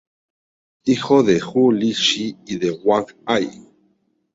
Hijo de Ju Li Chi y de Wang Ai.